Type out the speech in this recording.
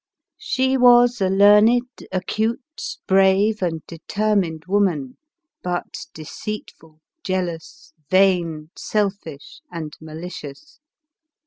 She was a learned, acute, brave and determined woman, but deceitful, jealous, vain, selfish and mali cious.